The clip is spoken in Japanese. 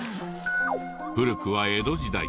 古くは江戸時代